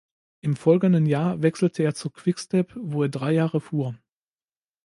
Im folgenden Jahr wechselte er zu Quick Step, wo er drei Jahre fuhr.